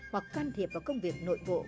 hoặc can thiệp vào công việc nội bộ